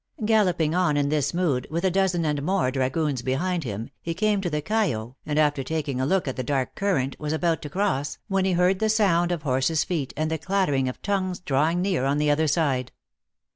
Galloping on in this mood, with a dozen and more dragoons, behind him, he came to the Cayo, and after taking a look at the dark current, was about to cross, when he heard the sound of horses feet, and the clattering of tongues drawing near on the other side.